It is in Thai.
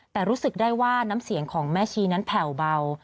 แต่รู้สึกได้ว่าน้ำเสียงของแม่ชีนั้นแผ่วเบา